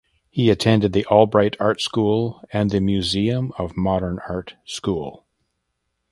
He attended the Albright Art School and the Museum of Modern Art School.